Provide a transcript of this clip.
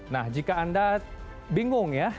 nah jika anda bingung ya